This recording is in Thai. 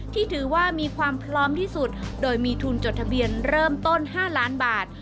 ที่ถือว่ามีความพร้อมที่สุดโดยมีทุนจดทะเบียนเริ่มต้น๕ล้านบาท